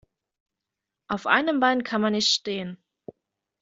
Auf einem Bein kann man nicht stehen.